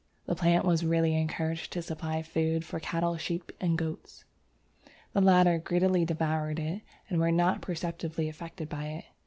The plant was really encouraged to supply food for cattle, sheep, and goats. The latter greedily devoured it and were not perceptibly affected by it.